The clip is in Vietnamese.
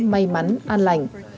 may mắn an lành